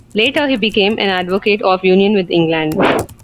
Later he became an advocate of Union with England.